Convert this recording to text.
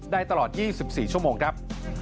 ได้ตลอด๒๔ชั่วโมงครับ